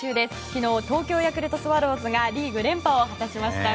昨日、東京ヤクルトスワローズがリーグ連覇を果たしました。